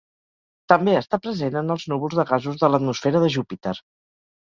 També està present en els núvols de gasos de l'atmosfera de Júpiter.